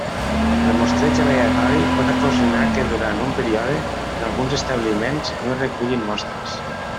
El mostreig aleatori pot ocasionar que, durant un període, en alguns establiments no es recullin mostres.